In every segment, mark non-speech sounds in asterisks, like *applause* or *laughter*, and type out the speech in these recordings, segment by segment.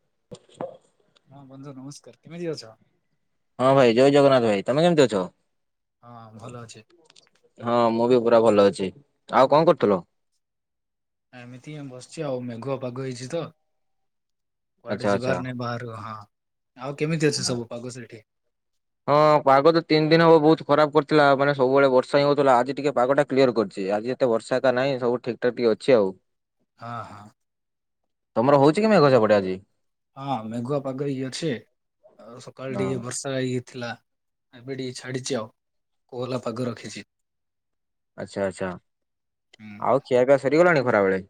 *unintelligible* ହଁ ଭନଜା ନମସ୍କାର। କେମିତି ଅଛ? ହଁ ଭାଇ ଜୟ ଜଗନ୍ନାଥ ଭାଇ। ତମେ କେମିତି ଅଛ? ହଁ ଭଲ ଅଛେ। ହଁ ମୁଁ ବି ପୁରା ଭଲ ଅଛି। ଆଉ କଁ କରୁଥୁଲ? ଏମିତି ଆଁ ବସିଚି ଆଉ ମେଘଆ ପାଗ ହେଇଛି ତ। କୁଆଡ଼େ ଆଚ୍ଛା ଆଚ୍ଛା। ଯିବାର ନାହିଁ ବାହାରୁ ହଁ ଆଉ କେମିତି ଅଛ ସବୁ ପାଗ ସେଇଠି? ହଁ ପାଗ ତ ତିନି ଦିନ ହବ ବୋହୁତ ଖରାପ କରିଥିଲା ମାନେ ସବୁବେଳେ ବର୍ଷା ହିଁ ହଉଥୁଲା ଆଜି ଟିକେ ପାଗଟା କ୍ଲିୟର୍ କରିଚି ଆଜି ତେ ବର୍ଷା ଏକା ନାହିଁ ସବୁ ଠିକ୍ ଠାକ୍ ଟିକେ ଅଛି ଆଉ। ହଁ ହଁ। ତମର ହଉଚି କି ମେଘ ସେପଟେ ଆଜି? ହଁ ମେଘୁଆ ପାଗରେ ଇଏ ଅଛି ଯେ ଆଉ ସକାଳ ହଁ ଟିକେ ବର୍ଷ୍ ଅ ଇଏ ଥିଲା ଏବେ ଟିକେ ଛାଡି଼ଚି ଆଉ କୋହଲା ପାଗ ରଖିଚି। ଆଚ୍ଛା ଆଚ୍ଛା ହୁଁ ଆଉ ଖିଆପିଆ ସରିଗଲାଣି ଖରାବେଳେ?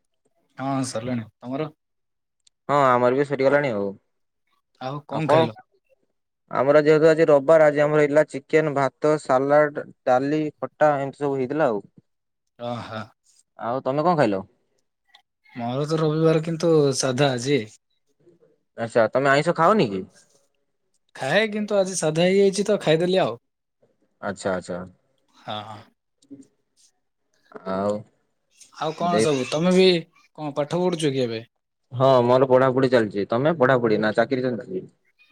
ହଁ ସରିଲାଣି ତମର? ହଁ ଆମର ବି ସରିଗଲାଣି ଆଉ। କଣ ଆଉ କଁ ଖାଇଲ? ଆମର ଆଜି ଯେହେତୁ ଆଜି ରବାର ଆଜି ଆମର ହେଇଥିଲା ଚିକେନ୍, ଭାତ, ସାଲାଡ଼ ଡାଲି, ଖଟା ଏନ୍ତି ସବୁ ହେଇଥିଲା ଆଉ। ଅହ। ଆଉ ତମେ କଁ ଖାଇଲ? ମୋର ତ ରବିବାର କିନ୍ତୁ ସାଧା ଆଜି। ଆଚ୍ଛା ତମେ ଆଇଁଷ ଖାଅନି କି? ଖାଏ କିନ୍ତୁ ଆଜି ସାଧା ହୋଇଯାଇଛି ତ ଖାଇଦେଲି ଆଉ। ଆଚ୍ଛା ଆଚ୍ଛା ହଁ ହଁ ଆଉ ଆଉ କଣ ସବୁ ତମେ ବି କଁ ପାଠ ପଢ଼ୁଚ କି ଏବେ? ହଁ ମୋର ପଢ଼ାପୁଢ଼ି ଚାଲିଚି। ତମେ ପଢ଼ାପୁଢ଼ି ନାଁ ଚାକିରି ଚାଲଚି?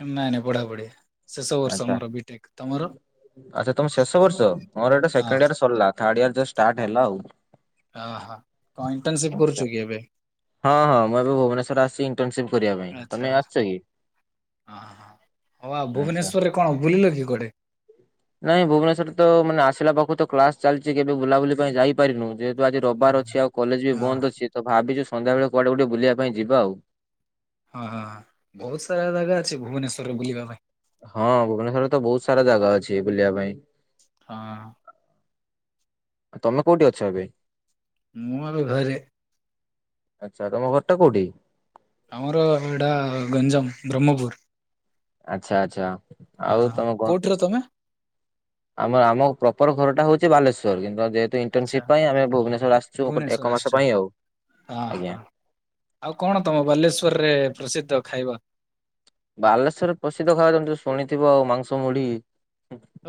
ନାଇଁ ନାଇଁ ପଢ଼ାପଢ଼ି ଶେଷ ବର୍ଷ ଆଚ୍ଛା ମୋର ବିଟେକ୍ ତମର? ଆଚ୍ଛା ତମେ ଶେଷ ବର୍ଷ ମୋର ଏଇଟା ହଁ ସେଖେଣ୍ଡ୍ ଇୟର୍ ସରଲା ଥାଡ଼୍ ଇୟର୍ ଯ ଷ୍ଟାର୍ଟ ହେଲା ଆଉ। ଆହା କଁ ଇଣ୍ଟର୍ନସିପ୍ ଆଚ୍ଛା। କରୁଚୁ କି ଏବେ? ହଁ ହଁ ମୁଁ ଏବେ ଭୁବନେଶ୍ଵର ଆସିଚି ଇଣ୍ଟର୍ନସିପ୍ କରିବା ପାଇଁ ତମେ ଆସିଚ କି? ଅହ ହ ହଉ ଆଉ ଆଚ୍ଛା ଭୁବନେଶ୍ଵରରେ କଣ ବୁଲିଲ କି କୁଆଡ଼େ? ନାଇଁ ଭୁବନେଶ୍ୱରରେ ତ ମାନେ ଆସିଲା ପାଖୁ ତ କ୍ଲାସ୍ ଚାଲିଚି କେବେ ବୁଲାବୁଲି ପାଇଁ ଯାଇପାରିନୁ ଯେହେ ଦୁ ଆଜି ରବିବାର ଅଛି ଆଉ କଲେଜ୍ ବି ହଁ ବନ୍ଦ ଅଛି ତ ଭାବିଚୁ ସନ୍ଧ୍ୟା ବେଳେ କୁଆଡ଼େ ଗୋଟେ ବୁଲିବା ପାଇଁ ଯିବା ଆଉ। ହଁ ହଁ ହଁ ବୋହୁତ ସାରା ଜାଗା ଅଛି ଭୁବନେଶ୍ଵରେ ବୁଲିବା ପାଇଁ। ହଁ ଭୁବନେଶ୍ଵରେ ତ ବୋହୁତ ସାରା ଜାଗା ଅଛି ବୁଲିବା ପାଇଁ। ହଁ। ତମେ କୋଉଠି ଅଛ ଏବେ? ମୁଁ ଏବେ ଘରେ। ଆଚ୍ଛା ତମ ଘରଟା କୋଉଠି? ଆମର ଏଇଟା ଗଞ୍ଜାମ ବ୍ରହ୍ମପୁର। ଆଚ୍ଛା ଆଚ୍ଛା ଆଉ ହଁ। ତମେ କ କୋଉଠିର ତମେ ଆମର ଆମ ପ୍ରପର ଘରଟା ହଉଚି ବାଲେଶ୍ୱର କିନ୍ତୁ ଯେହେତୁ ଆଚ୍ଛା ଇଣ୍ଟର୍ନସିପ୍ ପାଇଁ ଆମେ ଭୁବନେଶ୍ଵର ଆସିଛୁ ଗୋଟେ ଭୁବନେଶ୍ୱର ଏକ ଆସିଛ ମାସ ପାଇଁ ଆଉ ହଁ ହଁ। ଆଜ୍ଞା। ଆଉ କଣ ତମ ବାଲେଶ୍ୱରରେ ପ୍ରସିଦ୍ଧ ଖାଇବା? ବାଲେଶ୍ୱରରେ ପ୍ରସିଦ୍ଧ ଖାଇବା ତମେ ତ ଶୁଣିଥିବ ଆଉ ମାଂସ ମୁଢି।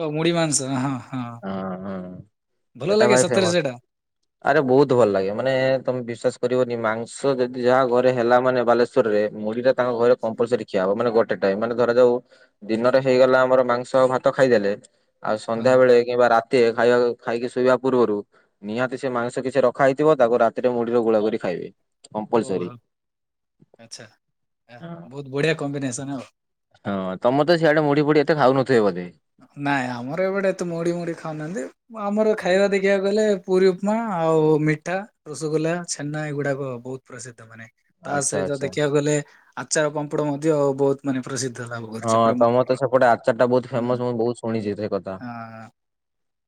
ଓ ମୁଢି ମାଂସ ହଁ ହଁ। ହଁ ହଁ ଭଲ ଏଟା ଲାଗେ ଭାରି ସତରେ ଫେମସ୍। ସେଇଟା ଆରେ ବହୁତ ଭଲ ଲାଗେ ମାନେ ତମେ ବିଶ୍ୱାସ କରିବନି ମାଂସ ଯଦି ଯାହା ଘରେ ହେଲା ମାନେ ବାଲେଶ ଶ୍ୱରରେ ମୁଢିଟା ତାଙ୍କ ଘରେ କମ୍ପଲ୍ସରୀ ଖିଆହବ ମାନେ ଗୋଟେ ଟାଇମ୍ ମାନେ ଧରାଯାଉ ଦିନରେ ହେଇଗଲା ଆମର ମାଂସ ଆଉ ଭାତ ଖାଇଦେଲେ ଆଉ ସନ୍ଧ୍ୟା ହଁ ବେଳେ କିମ୍ବା ରାତିରେ ଖାଇବାକୁ ଖାଇକି ଶୋଇବା ପୂର୍ବରୁ ନିହାତି ସେ ମାଂସ କିଛି ରଖା ହେଇଥିବ ତାକୁ ରାତିରେ ମୁଢିରେ ଗୋଳା କରି ଖାଇବେ। ଓ କମ୍ପଲସରି। ହୋ ଆଚ୍ଛା ଆ ବହୁତ ବଢିଆ କମ୍ବିନେସନ୍ ଆଉ। ହଁ ତମର ତ ସିଆଡେ ମୁଢିୁ ଫୁଡି ଏତେ ଖାଉନଥିବେ ବୋଧେ? ନାଇଁ ଆମର ଏପଟେ ଏତେ ମୁଢି ମୁଢି ଖାଉନାହାନ୍ତି ଆମର ଖାଇବା ଦେ ଦେଖିଆକୁ ଗଲେ ପୁରୀ ଉପମା ଆଉ ମିଠା ରସଗୋଲା ଛେନା ଏଗୁଡାକ ବହୁତ ପ୍ରସିଦ୍ଧ ମାନେ ତା ଆଚ୍ଛା ସହିତ ଆଚ୍ଛା ଦେଖିବାକୁ ଗଲେ ଆଚାର ପାମ୍ପଡ ମଧ୍ୟ ବହୁତ ମାନେ ପ୍ରସିଦ୍ଧ ଲାଭ ହଁ କରିଛି ତମର ବ୍ରହ୍ମପୁରର। ତ ସେପଟେ ଆଚାର ଟା ବହୁତ ହୁଁ ଫେମସ୍ ମୁଁ ବହୁତ ଶୁଣିଛି ସେ କ ଥା ହଁ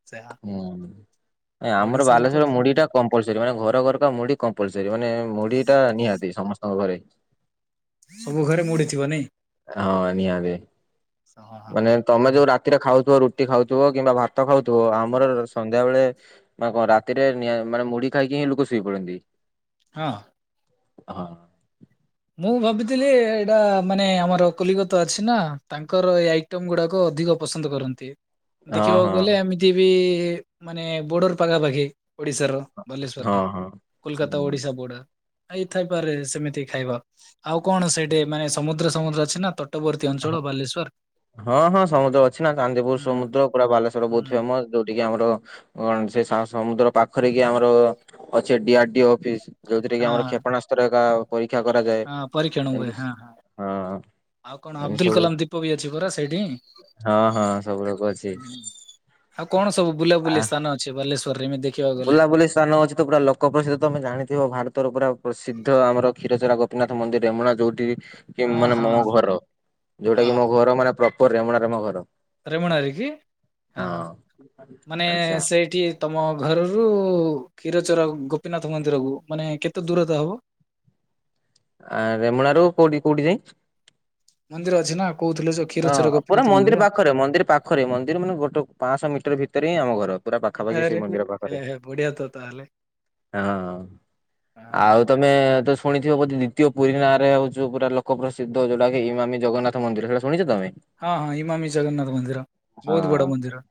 ସେୟା ଉଁ ନାଇଁ ଆମର ଓଡିଶାରେ ତ ବାଲେଶ୍ୱରରେ କୁହନି ମୁଢିଟା କମ୍ପ କମ୍ପଲ୍ସରୀ ମାନେ ଘରେ ଘରେ ତ ମୁଢି କମ୍ପଲ୍ସରୀ ମାନେ ମୁଢି ଟା ନିହାତି ସମସ୍ତଙ୍କ ଘରେ। ସବୁ ଘରେ ମୁଢି ଥିବ ନାଇଁ? ନା ବେ ହଁ ହଁ ମାନେ ତମେ ବଢିଆ ଯୋଉ ରା ରାତିରେ ଖାଉଥିବ ରୁଟି ଖାଉଥିବ କିମ୍ବା ଭାତ ଖାଉଥିବ ଆମର ସନ୍ଧ୍ୟାବେଳେ ଆଉ କଣ ରାତିରେ ନିହା ମାନେ ମୁଢି ଖାଇକି ହିଁ ଲୋକ ଶୋଇ ପଡନ୍ତି। ହଁ। ହଁ। ମୁଁ ଭାବିଥିଲି ଏଇଟା ମାନେ ଆମର କଲିକତା ଅଛି ନାଁ ତାଙ୍କର ଏଇ ଆଇଟମ୍ ଗୁଡାକ ଅଧିକ ପସନ୍ଦ କରନ୍ତି। ହଁ ଦେଖିବାକୁ ହଁ ଗଲେ ଏମିତି ବି ମାନେ ବୋର୍ଡର ପାଖାପାଖି ଓଡିଶାର। ବାଲେଶ୍ଵର ଟା ହଁ କୋଲକାତା ଓଡିଶା ବୋର୍ଡର ହେଇ ଥାଇପାରେ ସେମିତି ଖାଇବା ଆଉ କଣ ସେଇଠି ମାନେ ସମୁଦ୍ର ସମୁଦ୍ର ଅଛି ନା ତ ହଁ ହଁ ହଁ ସମୁଦ୍ର ଅଛି ନାଁ ଚାନ୍ଦିପୁର ହୁଁ। ସମୁଦ୍ର ପୁରା ବାଲେଶ୍ଵର ବହୁତ ହୁଁ ଫେମସ୍। ଯୋଉଠି କିି ଆମର କଣ ସେ ସା ସମୁଦ୍ର ପାଖରେ କି ଆମର ଅଛି ଡି ଆର ଡି ଅଫିସ୍। ଯୋଉଥିରେ କି ଆମର ହଁ କ୍ଷେପଣାସ୍ତ୍ର ହେକ ପରୀକ୍ଷା କରାଯାଏ ହଁ ପରୀକ୍ଷଣ ହୁଏ ଏମିତି ହଁ ହଁ। ସ ହଁ। ଆଉ କଣ ଏମିତି ଅବଦୁଲ୍ ସବୁ କଲାମ୍ ଦୀପ ବି ଅଛି ପରା ସେଇଠି। ହଁ ହଁ ସବୁ ଲୋକ ଅଛି। ହୁଁ ଆଉ କଣ ସବୁ ଆ ବୁଲାବୁଲି ସ୍ଥାନ ଅଛି ବାଲେଶ୍ଵରରେ ଏମିତି? ଦେଖିବାକୁ ଗଲେ? ବୁଲାବୁଲି ସ୍ଥାନ ଅଛି ତ ପୁରା ଲ କଁ ପ୍ରସିଦ୍ଧ ତମେ ଜାଣିଥିବ ଭାରତର ପୁରା ପ୍ରସିଦ୍ଧ ଆମର କ୍ଷୀରଚୋରା ଗୋପୀନାଥ ମନ୍ଦିର ରେମୁଣା ଯୋଉଠି କି ଅ ମାନେ ହଁ ମୋ ଘର ଯୋଉଟା ହଁ କି ମୋ ଘର ମାନେ ପ୍ରପର ରେମୁଣାରେ ମୋ ଘର। ରେମୁଣାରେ କି ହଁ ମାନେ ଆଚ୍ଛା ସେଇଠି ତମ ଘରରୁ କ୍ଷୀରଚୋରା ଗୋପୀନାଥ ମନ୍ଦିରକୁ ମାନେ କେତେ ଦୂରତା ହବ? ଆ ରେମୁଣା ରୁ କୋଉଠି କୋଉଠି ଯାଇଁ? ମନ୍ଦିର ଅଛି ନାଁ କହୁଥିଲ ଯୋଉ କ୍ଷୀରଚୋରା ହଁ ପୁରା ଗୋପୀନାଥ ମନ୍ଦିର ମନ୍ଦିରି ପାଖରେ ମନ୍ଦିରି ପାଖରେ ମନ୍ଦିର ମାନେ ଗୋଟେ ପାଁଶହ ମିଟର ଭିତରେ ହିଁ ଆମ ଘର। ପୁରା ପାଖାପାଖି ଆରେ ସେଇ ମନ୍ଦିର ହେ ପାଖରେ। ହେ ବଢିଆ ତ ତାହେଲେ ହଁ ହଁ ଆଉ ତମେ ତ ଶୁ ଶୁଣିଥିବ ବୋଧେ ଦ୍ୱିତୀୟ ପୁରୀ ନାଁରେ ହଉଛି ପୁରା ଲୋକ ପ୍ରସିଦ୍ଧ ଯୋଉଟା କି ଇମାମି ଜଗନ୍ନାଥ ମନ୍ଦିର ସେଟା ସ ଶୁଣିଛ ତମେ? ହଁ ହଁ ଇମାମୀ ଜଗନ୍ନାଥ ମନ୍ଦିର ବହୁତ ହଁ। ବଡ ମନ୍ଦିର।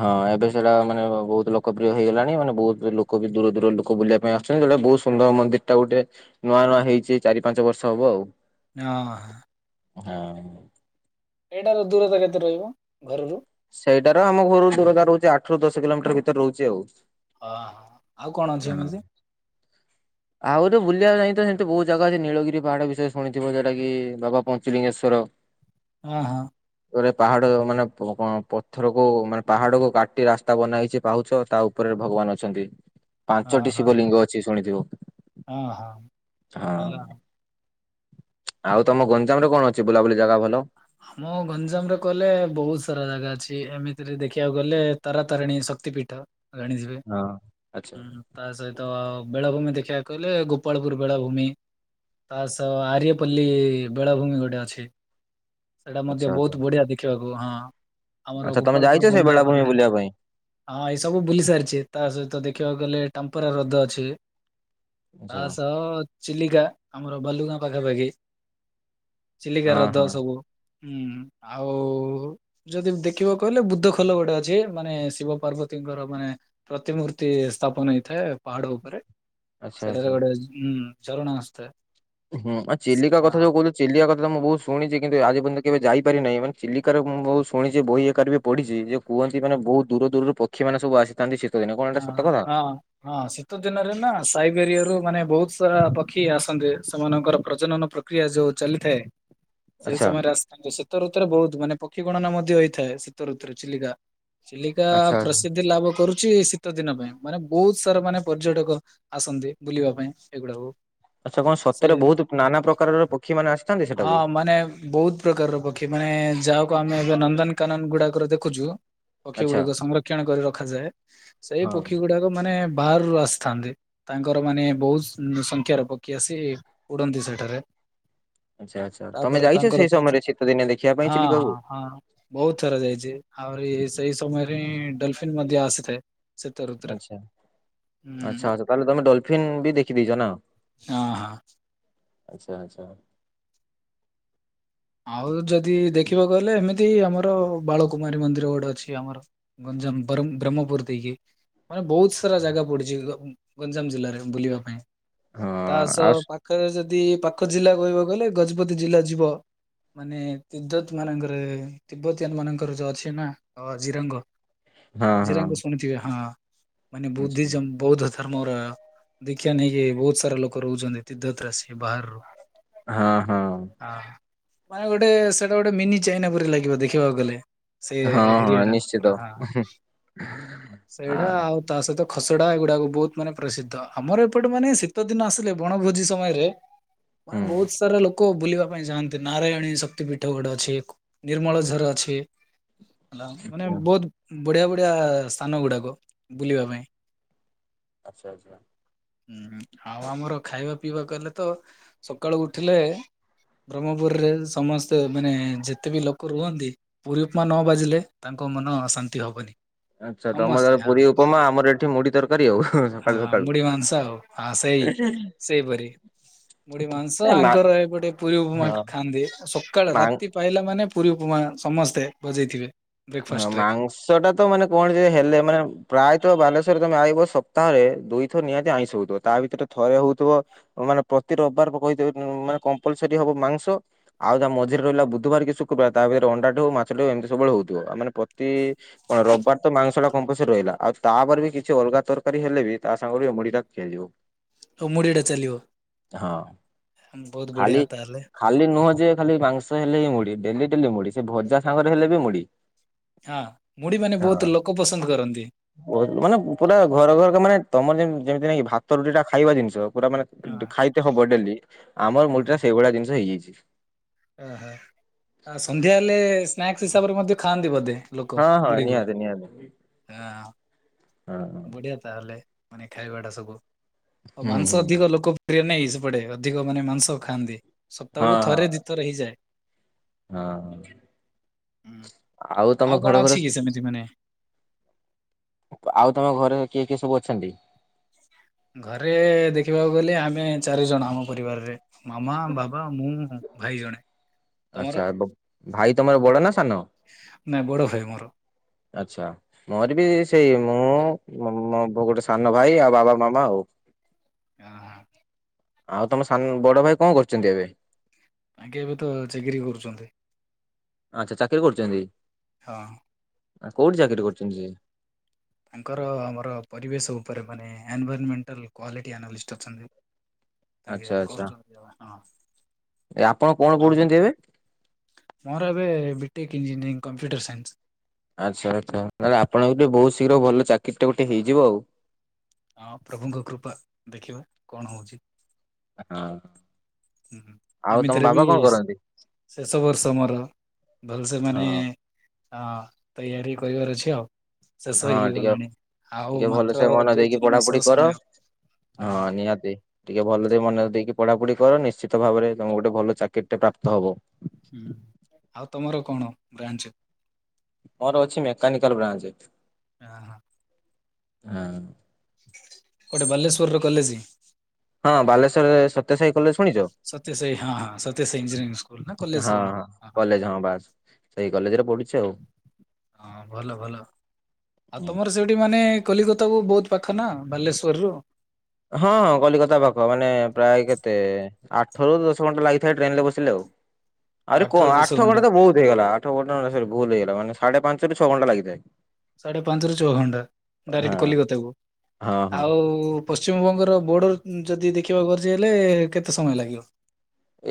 ହଁ ଏବେ ସେଟା ମାନେ ବହୁତ ଲୋକପ୍ରିୟ ହେଇଗଲାଣି ମାନେ ବହୁତ ଲୋକ ବି ଦୂର ଦୂର ଲୋକ ବୁଲିବା ପାଇଁ ଆସ ଛନ ବହୁତ ସୁନ୍ଦର ମନ୍ଦିର ଟା ଗୋଟେ ନୂଆ ନୂଆ ହେଇଛି ଚାରି ପାଞ୍ଚ ବର୍ଷ ହବ ଆଉ। ହଁ। ହଁ। ଏଇଟାର ଦୂରତା କେତେ ରହିବ ଘରରୁ? ସେଇଟା ର ଆମ ଘରୁ ଦୂରତା ରହୁଚି ଆଠ ରୁ ଦଶ କିଲୋମିଟର ଭିତରେ ରହୁଚି ଆଉ। ହଁ ହଁ ଆଉ କଣ ଅଛି ହଁ। ଏମିତି ଯେ? ଆଉ ତ ବୁଲିବାକୁ ପାଇଁ ତ ସେମିତି ବହୁତ ଜାଗା ଅଛି ନୀଳଗିରି ପାହାଡ଼ ବିଷୟ ରେ ଶୁଣିଥିବ ଯୋଉଟା କି ବାବା ପଞ୍ଚୁଲିଙ୍ଗେଶ୍ଵର। ଅ ହଁ। ରେ ପାହାଡ ମାନେ ପ କଁ ପଥରକୁୁ ମାନେ ପାହାଡ କୁ କାଟି ରାସ୍ତା ବନା ହେଇଛି ପାହୁଛ ତା ଉପ। ଉପରେ ଭଗବାନ ଅଛନ୍ତି ହଁ ପାଞ୍ଚଟି ହଁ ଶିବ ଲିଙ୍ଗ ଅଛି ଶୁଣିଥିବ। ହଁ ହଁ। ହଁ ହେଲା ଆଉ ତମ ଗଞ୍ଜାମରେ କଣ ଅଛି ବୁଲାବୁଲି ଜାଗା ଭଲ। ଆମ ଗଞ୍ଜାମ ରେ କହିଲେ ବହୁତ ସାରା ଜାଗା ଅଛି ଏମିତିରେ ଦେଖିବାକୁ ଗଲେ ତରା ତାରିଣୀ ଶକ୍ତିପୀଠ ଜାଣିଥିବେ ହଁ ଆଚ୍ଛା। ହୁଁ। ତା ସହିତ ବେଳାଭୂମି ଦେଖିବାକୁ କହିଲେ ଗୋପାଳପୁର ବେଳାଭୂମି। ତା ସହ ଆରିଏପଲ୍ଲୀ ବେଳାଭୂମି ଗୋଟେ ଅଛି। ସେଟା ଆଚ୍ଛା ମଧ୍ୟ ଆଚ୍ଛା ବହୁତ ବଢିଆ ଦେଖିବାକୁ ହଁ। ଆମର ଆଚ୍ଛା ତମେ ଗୋପାଳପୁର ଯାଇଚ ସେ ବନ୍ଦର ବେଳାଭୂମି ପାଖରେ ବୁଲିବା ପାଇଁ? ହଁ ଏଇ ସବୁ ବୁଲି ସାରିଛି ତା ସହିତ ଦେଖିବାକୁ ଗଲେ ଟାମ୍ପରା ର୍ରଦ ଅଛି। ତା ଆଚ୍ଛା। ସହ ଚିଲିକା ଆମର ବାଲୁଗାଁ ପାଖାପାଖି। ଚିଲିକା ହଁ ରଦ ହଁ। ସବୁ ହୁଁ ଆଉ। ଯଦି ଦେଖିବ କହିଲେ ବୁଦ୍ଧ ଖୋଲ ଗୋଟେ ଅଛି ମାନେ ଶିବ ପାର୍ବତୀଙ୍କର ମାନେ। ପ୍ରତିମୂର୍ତ୍ତି ସ୍ଥାପନ ହେଇଥାଏ ପହାଡ଼ ଉପରେ। ଆଚ୍ଛା ସେଟାରେ ଆଚ୍ଛା। ଗୋଟେ ହୁଁ ଝରଣା ଆସୁ ଥାଏ। ହୁଁ ଆଉ ଚିଲିକା କଥା ଯୋଉ କହୁଲ ଚିଲିକା କଥା ତ ମୁଁ ବହୁତ ଶୁଣିଛି କିନ୍ତୁ ଆଜି ପର୍ଯ୍ୟନ୍ତ କେବେ ଯାଇପାରି ନାହିଁ ମାନେ ଚିଲିକାର ମୁଁ ବହୁତ ଶୁଣିଛି ବହି ଏକାରେ ବି ପଢିଚି ଯେ କୁହନ୍ତି ମାନେ ବହୁତ ଦୂର ଦୂରରୁ ପକ୍ଷୀ ମାନେ ସବୁ ଆସିଥାନ୍ତି ଶୀତଦିନେ କଣ ଏଟା ହଁ ସତ କଥା। ହଁ ହଁ ଶୀତ ଦିନରେ ନା ସାଇବେରିଆ ରୁ ମାନେ ବହୁତ ସାରା ପକ୍ଷୀ ଆସନ୍ତି ସେମାନଙ୍କର ପ୍ରଜନନ ପ୍ର କ୍ରିୟା ଯଉ ଚାଲିଥାଏ। ସେଇ ଆଚ୍ଛା ସମୟରେ ଆସିଥାନ୍ତେ ଶୀତ ଋତୁରେ ବହୁତ ମାନେ ପକ୍ଷୀ ଗଣନା ମଧ୍ୟ ହେଇଥାଏ ଶୀତ ଋତୁରେ ଚିଲିକା। ଚିଲିକା ଆଚ୍ଛା ପ୍ରସିଦ୍ଧି ଲାଭ କରୁଛି ସି ଶୀତ ଦିନ ପାଇଁ ମାନେ ବହୁତ ସାରା ମାନେ ପର୍ଯ୍ୟଟକ ଆସନ୍ତି ବୁଲିବା ପାଇଁ ଏଗୁଡାକୁ। ଆଚ୍ଛା କଣ ସେ ସତରେ ବହୁତ ନାନା ପ୍ରକାରର ପକ୍ଷୀ ମାନେ ଆସିଥାନ୍ତେ ହଁ ସେଟାକୁ। ମାନେ ବହୁତ ପ୍ରକାରର ପକ୍ଷୀ ମାନେ ଯାହାକୁ ଆମେ ଏବେ ନନ୍ଦନକାନନ ଗୁଡାକର ଦେଖୁଛୁ। ପକ୍ଷୀ ଆଚ୍ଛା। ଗୁଡିକ ସଂରକ୍ଷଣ କରି ରଖାଯାଏ ସେଇ ହଁ। ପକ୍ଷୀ ଗୁଡାକ ମାନେ ବାହରୁ ଆସିଥାନ୍ତି। ତାଙ୍କର ମାନେ ବହୁତ ସଂଖ୍ୟାର ପକ୍ଷୀ ଆସି ଉଡନ୍ତି ସେଠାରେ। ଆଚ୍ଛା ଆଚ୍ଛା ତମେ ତାପରେ ଯାଇଛ ତାଙ୍କର ସେଇ *unintelligible* ସମୟରେ ଶୀତ ଦିନେ ଦେଖିବା ପାଇଁ ହଁ ହଁ ଚିଲିକାକୁ? ହଁ। ବହୁତ ଥର ଯାଇଛି ଆହୁରି ସେଇ ସମୟରେ ହିଁ ଡଲଫିନ୍ ମଧ୍ୟ ଆସିଥାଏ। ଶୀତ ଋତୁରେ। ଆଚ୍ଛା ହୁଁ ଆଚ୍ଛା ଆଛା ତାହେଲେ ତମେ ଡଲଫିନ୍ ବି ଦେଖିଦେଇଛ ନା? ହଁ ହଁ। ଆଚ୍ଛା ଆଛା। ଆଉ ଯଦି ଦେଖିବାକୁହଲେ ଏମିତି ଆମର ବାଳକୁମାରୀ ମନ୍ଦିର ଗୋଟେ ଅଛି ଆମର। ଗଞ୍ଜାମ ବରଂ ବ୍ରହ୍ମପୁର ଦେଇକି ମାନେ ବହୁତ ବହୁତ ଆଚ୍ଛା। ସାରା ଜାଗା ପଡିଛି ଗ ଗଞ୍ଜାମ ଜିଲ୍ଲାରେ ବୁଲିବା ପାଇଁ ହଁ ତା ସହ ଆଉ ସ- ପାଖ ପାଖ ଯଦି ପାଖ ଜିଲ୍ଲା କହିବାକୁ ଗଲେ ଗଜପତି ଜିଲ୍ଲା ଯିବ। ମାନେ ତି୍ବତ ମାନଙ୍କର ତତିିବ୍ବତୀୟାନ ମାନଙ୍କର ଯୋଉ ଅଛି ନା ଜିରଙ୍ଗ। ହଁ ହଁ ଜିରାଙ୍ଗ ଶୁଣିଥିବେ ହଁ ମାନେ ଆଚ୍ଛା। ବୁଦ୍ଧିଜମ ବୌଦ୍ଧ ଧର୍ମର। ଦେଖିବା ନେଇକି ବହୁତ ସାରା ଲୋକ ରହୁଛନ୍ତି *inaudible* ବାହାରୁ। ଅ ହଁ। ହଁ। ମାନେ ଗୋଟେ ସେଇଟା ଗୋଟେ ମିନି ଚାଇନା ପରି ଲାଗିବ ଦେଖିବାକୁ ଗଲେ। ସେ ହଁ ଏରିଆ ହଁ ଟା ନିଶ୍ଚିତ ଉହୁଁ। ସେଇଡା ଆଉ ତା ସହିତ ଖସଡା ଏଗୁଡାକୁ ବହୁତ ମାନେ ପ୍ରସିଦ୍ଧ ଆମର ଏପଟେ ମାନେ ଶୀତ ଦିନ ଆସିଲେ ବଣଭୋଜି ସମୟରେ। ମାନେ ହୁଁ। ବହୁତ ସାରା ଲୋକ। ଲୋକ ବୁଲିବା ପାଇଁ ଯାନ୍ତି ନାରାୟଣୀ ଶକ୍ତିପୀଠ ଗଡ ଅଛି ନିର୍ମଳଝର ଅଛି। ହେଲା ମାନେ ଆଚ୍ଛା। ବହୁତ ବଢିଆ ବଢିଆ ସ୍ଥାନ ଗୁଡାକ ବୁଲିବା ପାଇଁ। ଆଚ୍ଛା ଆଚ୍ଛା। ଉଁ ହୁଁ ଆଉ ଆମର ଖାଇବା ପିଇବା କଇଲେ ତ ସକାଳୁ ଉଠିଲେ ବ୍ରହ୍ମପୁରରେ ସମସ୍ତେ ମାନେ ଯେତେ ବି ଲୋକ ରୁହନ୍ତି ପୁରୀ ଉପମା ନ ବାଜିଲେ ତାଙ୍କ ମନ ଶାନ୍ତି ହବନି। ଆଚ୍ଛା ତମର ସମସ୍ତେ ହଁ ପୁରୀ ଉପମା ଆମର ଏଠି ମୁଢି ତରକାରୀ ଆଉ *inaudible* ସକାଳୁ ହଁ ସକାଳୁ। ମୁୁଢୀ ମାଂସ ଆଉ ଆ ସେଇ। ସେଇପରି ମୁଢି ମାଂସ ଏ ମା ଆଙ୍କର ଏପୋଟେ ପୁରୀ ଉପମା ଖାଆନ୍ତି ସକାଳେ ମାଂ ରାତି ପାଇଲା ମାନେ ପୁରୀ ଉପମା ସମସ୍ତେ ବଜେଇଥିବେ। ହଁ ବ୍ରେକଫାଷ୍ଟ ରେ ମାଂସ ମାଂସଟା ତ ମାନେ କଣ ଯେ ହେଲେ ମାନେ ପ୍ରାୟତଃ ବାଲେଶ୍ଵର ତମେ ଆଇିବ ସପ୍ତାହରେ ଦୁଇଥର ନିହାତି ଆଇଁଷ ହଉଥିବ। ତା ଭିତରେ ଥରେ ହଉଥିବ ମାନେ ପ୍ରତି ରବିବାର *unintelligible* ମାନେ କମ୍ପଲସରି ହବ ମାଂସ। ଆଉ ତା ମଝିରେ ରହିଲା ବୁଧବାର କି ଶୁକ୍ରବାର ତା ଭିତରେ ଅଣ୍ଡାଟେ ହଉ ମାଛଟେ ହଉ ଏମିତିସବୁବେଳେ ହଉଥିବ ମାନେ ପ୍ରତି କଣ ରବିବାର ତ ମାଂସ ଟା କମ୍ପସରି ରହିଲା ଆଉ ତାପରେ ବି କିଛି ଅଲଗା ତରକାରୀ ହେଲେ ବି ତା ସାଙ୍ଗରେ ଏ ମୁଢିଟା ଚାଲିବ। ଓ ମୁଢିଟା ଚାଲିବ *inaudible* ବହୁତ ଖାଲି ବଢିଆ ତାହାଲେ। ଖାଲି ନୁହଁ ଯେ ଖାଲି ମାଂସ ହେଲେ ହି ମୁଢ ଡେଲି ଡେଲି ମୁଡି ସେ ଭଜା ସାଙ୍ଗରେ ହେଲେ ବି ମୁଡି। ହଁ ମୁଢି ମାନେ ବହୁତ ଲୋକ ପସନ୍ଦ କରନ୍ତି। ବହୁତ ମାନେ ପୁରା ଘର ଘରକା ମାନେ ତମର ଯେମ ଯେମତି ନାଇଁକି ଭାତ ରୁଟି ଟା ଖାଇବା ଜିନିଷ ପୁରା ମାନେ ହଁ ଖାଇତେ ହବ ଡେଲି ଆମର ହଁ ମୁଡି ଟା ସେଇଭଳିଆ ଜିନିଷ ହେଇଯାଇଛି। ଓହୋ ଆ ସନ୍ଧ୍ୟା ହେଲେ ସ୍ନାକ୍ସ ହିସାବରେ ମଧ୍ୟ ଖାଆନ୍ତି ବୋଧେ? ହଁ ହଁ ନିହାତି ନିହାତି। ଆଁ ହଁ। ହୁଁ ବଢିଆ ତାହେଲେ ମାନେ ଖାଇବା ଟା ସବୁ ଆଉ ମାଂସ ହୁଁ ଅଧିକ ଲୋକ ପ୍ରିଅ ନଁଇ ସେପଟେ ଅଧିକ ମାନେ ମାଂସ ଖାଆନ୍ତି। ହଁ ସପ୍ତାହକୁ ହଁ। ଥରେ ଦିଥର ହେଇଯାଏ। ହଁ ହୁଁ ତମ ଆଉ ଘର କଣ ଘର ଅଛି କି ସେମିତି ମାନେ ଆଉ ତମ ଘରେ କିଏ କିଏ ସବୁ ଅଛନ୍ତି? ଘରେ ଦେଖିବାକୁ ଗଲେ ଆମେ ଚାରିଜଣ ଆମ ପରିବାରରେ। ମାମା ବାବା ମୁଁ ଭାଇ ଜଣେ ଆଚ୍ଛା ତମର? ଭାଇ ତମର ବଡ ନା ସାନ? ନାଇଁ ବଡ ଭାଇ ମୋର। ଆଛା। ମୋର ବି ସେଇ ମୁଁ ମ ମ ବ ଗୋଟେ ସାନ ଭାଇ ଆଉ ବାବା ମାମା ଆଉ। ଆ ହା। ଆଉ ତମ ସାନ ବଡ ଭାଇ କଣ କରୁଛନ୍ତି ଏବେ? ତାଙ୍କେ ଏବେ ତ ଚାକିରି କରୁଛନ୍ତି। ଆଚ୍ଛା ଚାକିରି କରୁଛନ୍ତି। ହଁ। ଆ କୋଉଟି ଚାକିରି କରୁଚନ୍ତି ସେ? ତାଙ୍କର ଆମର ପରିବେଶ ଉପରେ ମାନେ ଏନଭରମେଣ୍ଟାଲ କ୍ଵାଲିଟି ଆନାଲିଷ୍ଟ ଅଛନ୍ତି। ତାଙ୍କେ ଆଛା ଆଛା, କରୁଛନ୍ତି ହଁ ଆପଣ କଣ ଆଉ ପଢୁଛନ୍ତି ଏବେ? ମୋର ଏବେ ବିଟେକ୍ ଇଞ୍ଜିନିୟରିଂ କମ୍ପ୍ୟୁଟର୍ ସାଇନ୍ସ। ଆଚ୍ଛା ଆଚ୍ଛା, ତାହେଲେ ଆପଣଙ୍କର ବି ବହୁତ ଶୀଘ୍ର ଭଲ ଚାକିରି ଟେ ଗୋଟେ ହେଇଯିବ ଆଉ। ହଁ ପ୍ରଭୁଙ୍କ କୃପା ଦେଖିବା କଣ ହଉଛି। ହଁ ଆଉ ତମ ଏମିତିରେ ବି ବାବା କଣ କରନ୍ତି? ଶେଷ ବର୍ଷ ମୋର ଭଲ ସେ ହଁ ମାନେ ହଁ ତେୟାରି କରିବାର ଅଛି ଆଉ। ଶେଷ ହଁ ହେଇକି ଟିକେ ଗଲାଣି ଆଉ ଟିକେ ମାତ୍ର ଭଲସେ ମନ ଦୁଇ ଦେଇ ଟିକେ ତିନି ପଢା ମାସର ପଢି କର, ସମୟ ହଁ ହଁ ନିହାତି। ଟିକେ ଭଲ ଦେଇ ମନ ଦେଇକି ପଢାପଢି କର ନିଶ୍ଚିତ ଭାବରେ ତମକୁ ଗୋଟେ ଭଲ ଚାକିରି ଟେ ପ୍ରାପ୍ତ ହବ। ହୁଁ ଆଉ ତମର କଣ ବ୍ରାଞ୍ଚ? ମୋର ଅଛି ମେକାନିକାଲ ବ୍ରାଞ୍ଚେ। ୟା ହା। ଆଁ ଆଁ। କୁଆଡେ ବାଲେଶ୍ଵର ର କଲେଜି। ହଁ ବାଲେଶ୍ୱରରେ ସତ୍ୟ ସାଇ କଲେଜ ଶୁଣିଚ? ସତ୍ୟସାଇ ହଁ ହଁ ସତ୍ୟ ସାଇ ଇଞ୍ଜିନିୟରିଂସ ସ୍କୁଲ ନା କଲେଜ କଣ ହଁ ହଁ। କଲେଜ ହଁ ବାସ୍। ସେଇ କଲେଜ ରେ ପଡୁଛି ଆଉ। ହଁ ଭଲ ଭଲ ଆଉ ତମର ସେଇ ଠୁ ମାନେ କଲିକତାକୁୁ ବୋହୁତ ପାଖ ନା ବାଲେଶ୍ୱର ରୁ। ହଁ କଲିକତା ପାଖ ମାନେ ପ୍ରାଏ କେତେ? ଆଠ ରୁ ଦଶ ଘଣ୍ଟା ଲାଗିଥାଏ ଟ୍ରେନ ରେ ବସିଲେ ଆଉ। ଆରେ କୁଅଁ ଆଠରୁ ଦଶ ଆଠ ଘଣ୍ଟା ତ ବୋହୁତ ହେଇଗଲା ଆଠ ଘଣ୍ଟା ମାନେ ସେଇଟି ଭୁଲ ହେଇଗଲା ମାନେ ସାଢେ ପାଞ୍ଚ ରୁ ଛଘଣ୍ଟା ଲାଗିଥାଏ। ସାଢେ ପାଞ୍ଚ ରୁ ଛ ଘଣ୍ଟା ଡାଇରେକ୍ଟ ହଁ କଲିକତାକୁ ହଁ ହଁ ଆଉ ପଶ୍ଚିମବଙ୍ଗର ବୋର୍ଡର ଯଦି ଦେଖିବାକୁ ଗର୍ଜେ ହେଲେ କେତେ ସମୟ ଲାଗିବ?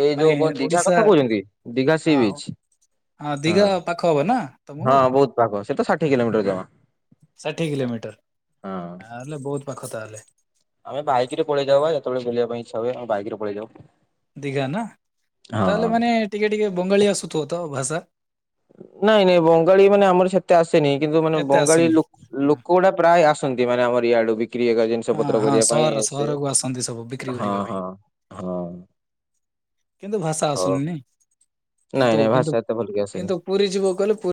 ଏଇ ମାନେ ଯୋଉ କଁ ଦିଘା ଓଡିଶା କଥା କହୁଛନ୍ତି ଦିଘା ସି ହଁ ବିଚ୍। ହଁ ଦିଘା ପାଖ ହବନା ତମୁକୁ। ହଁ ବହୁତ ପାଖ ସେତ ଷାଠିଏ କିଲୋମିଟର ଜମା। ଷାଠିଏ କିଲୋମିଟର ହଁ। ତାହେଲେ ବହୁତ ପାଖ ତାହେଲେ। ଆମେ ବାଇକିରେ ପଳେଇ ଯାଉ ବା ଯେତେବେଳେ ବୁଲିଆ ପାଇଁ ଇଛା ହୁଏ ଆମେ ବାଇକିରେ ପଳେଇ ଯାଉ। ଦିଘା ନା, ତାହେଲେ ହଁ। ମାନେ ଟିକେ ଟିକେ ବଙ୍ଗାଳୀ ଆସୁଥୁବ ତ ଭାଷା। ନାଇଁ ନାଇଁ ବଙ୍ଗାଳୀ ମାନେ ଆମର ସେତେ ଆସେନି କିନ୍ତୁ ମାନେ ଏତେ ବଙ୍ଗାଳୀ ଆସୁନି। ଲୋ ଲୋକ ଗୁଡା ପ୍ରାୟ ଆ ସନ୍ତି ମାନେ ଆମର ୟାଡୁ ବିକ୍ରି ଏଗା ଜିନଷ ହଁ ପତ୍ର ହଁ କରିବା ପାଇଁ ସହର ଇଏ ସିଏ ସହରକୁ ଆସନ୍ତି ସବୁ ବିକ୍ରି ହଁ କରିବା ପାଇଁ। ହଁ ହଁ। କିନ୍ତୁ ଭାଷା ହଉ ଆସୁନି ନାଇଁ ନାଇଁ କିନ୍ତୁ ନାଇଁ କିନ୍ତୁ ଭାଷା ଏତେ ଭଲକି ଆସେନି। କିନ୍ତୁ ପୁରୀ ଯିବାକୁ କହିଲେ ପୁରୀ